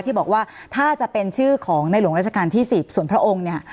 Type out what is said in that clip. ที่บอกว่าถ้าจะเป็นชื่อของในหลวงราชการที่๑๐ส่วนพระองค์เนี่ย